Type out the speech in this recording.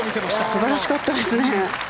素晴らしかったですね。